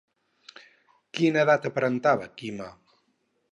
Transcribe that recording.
Quina edat aparentava Quima?